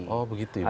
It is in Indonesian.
oh begitu ya